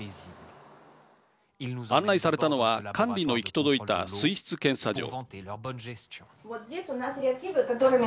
案内されたのは管理の行き届いた水質検査所。